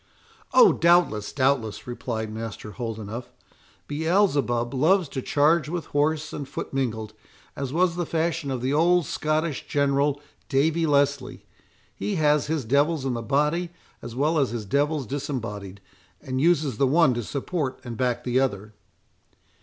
"Oh! doubtless, doubtless," replied Master Holdenough; "Beelzebub loves to charge with horse and foot mingled, as was the fashion of the old Scottish general, Davie Leslie. He has his devils in the body as well as his devils disembodied, and uses the one to support and back the other."